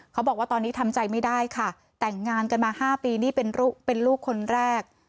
เขาบอกว่าตอนนี้ทำใจไม่ได้ค่ะแต่งงานกันมา๕ปีนี่เป็นลูกคนแรก